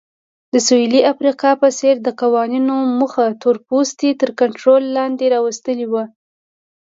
د سویلي افریقا په څېر د قوانینو موخه تورپوستي تر کنټرول لاندې راوستل وو.